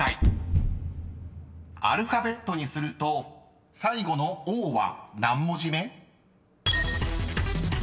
［アルファベットにすると最後の「Ｏ」は何文字目？］